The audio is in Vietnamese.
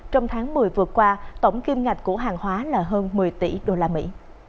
trong tháng một mươi vừa qua tổng kim ngạch của hàng hóa là hơn một mươi tỷ đô la mỹ